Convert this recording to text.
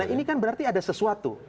ini kan berarti ada sesuatu